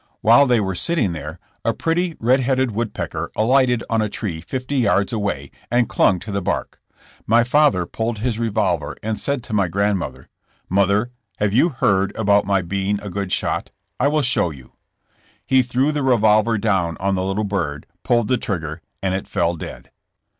While they were sitting there a pretty red headed woodpecker alighted on a tree fifty yards away and clung to the bark. My father pulled his revolver and said to my grandmother : "Mother, have you heard about my being a good shot; I will show you.'* He threw the revolver down on the little bird, pulled the trigger and it fell dead.